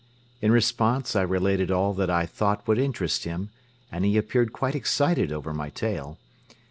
In response I related all that I thought would interest him and he appeared quite excited over my tale.